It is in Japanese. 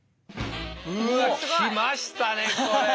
うわ来ましたねこれ！